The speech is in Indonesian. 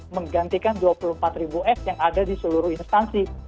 menggantikan dua puluh empat ribu s yang ada di seluruh instansi